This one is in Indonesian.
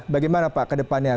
bagaimana pak kedepannya